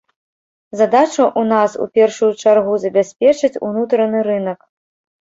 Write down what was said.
Задача ў нас у першую чаргу забяспечыць унутраны рынак.